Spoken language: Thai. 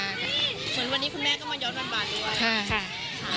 เหมือนวันนี้คุณแม่ก็มาย้อนวันบาทดีกว่า